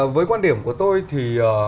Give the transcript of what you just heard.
với quan điểm của tôi thì